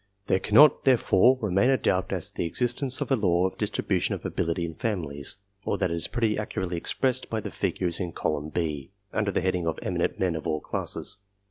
There cannot, therefore, remain a doubt as to the existence of a law of distribution of ability in families, or that it is pretty accurately expressed by the figures in column B, under the heading of " eminent men of all classes."